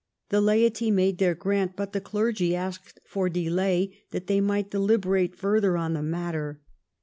The laity made their grant, but the clergy asked for delay that they might deliberate further on the matter.